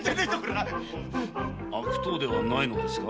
悪党ではないのですか？